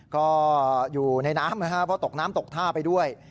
ก็อยู่ในน้ำนะครับเพราะตกน้ำตกท่าไปด้วย